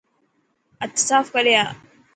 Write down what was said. هٿ صاف ڪري آءِ.